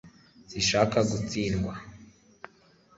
sinshaka gutsindwa